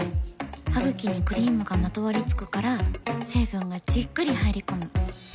ハグキにクリームがまとわりつくから成分がじっくり入り込む。